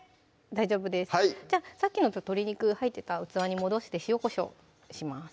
大丈夫ですさっきの鶏肉入ってた器に戻して塩・こしょうします